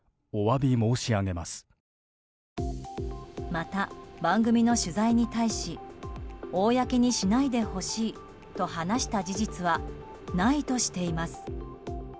また、番組の取材に対し公にしないでほしいと話した事実はないとしています。